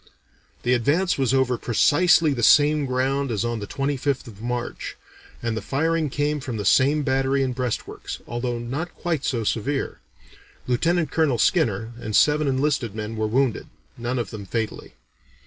"The advance was over precisely the same ground as on the 25th of March, and the firing came from the same battery and breastworks, although not quite so severe. Lieutenant Colonel Skinner and seven enlisted men were wounded none of them fatally.